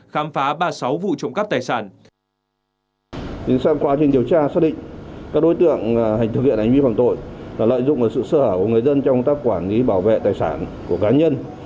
khám phá ba mươi sáu vụ trộm cắp tài sản